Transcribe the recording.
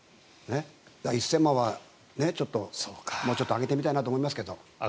だから、１０００万はもうちょっと上げたいなと思いますけど。